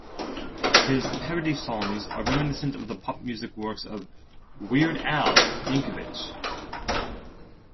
His parody songs are reminiscent of the pop music works of "Weird Al" Yankovic.